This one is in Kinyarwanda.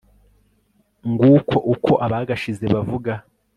nguko uko abagashize bavuga